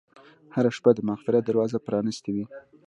هره شپه د مغفرت دروازه پرانستې وي.